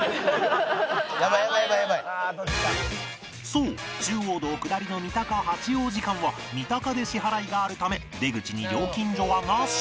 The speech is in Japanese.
そう中央道下りの三鷹八王子間は三鷹で支払いがあるため出口に料金所はなし